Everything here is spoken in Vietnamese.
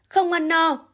không ăn no